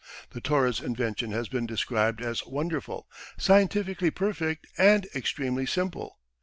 The Torres invention has been described as wonderful, scientifically perfect and extremely simple.